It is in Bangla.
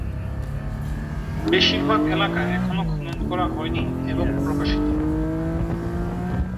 বেশিরভাগ এলাকা এখনও খনন করা হয়নি এবং প্রকাশিত।